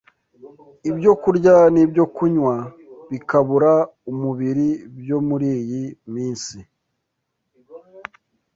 Ibyokurya n’ibyokunywa bikabura umubiri byo muri iyi minsi